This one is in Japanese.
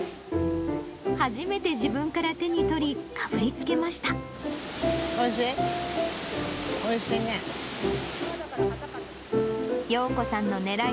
初めて自分から手に取り、かぶりおいしい？